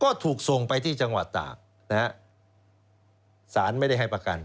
ก็ถูกส่งไปที่จังหวัดตากนะฮะสารไม่ได้ให้ประกัน